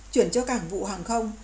chuyển cho cảng vụ hàng không